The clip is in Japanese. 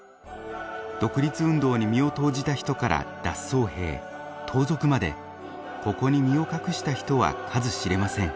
独立運動に身を投じた人から脱走兵盗賊までここに身を隠した人は数知れません。